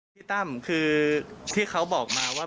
ตั้มคือที่เขาบอกมาว่า